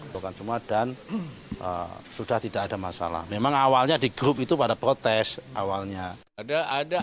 bukan cuma dan sudah tidak ada masalah memang awalnya di grup itu pada protes awalnya